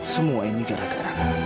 semua ini gara gara kamu epitamu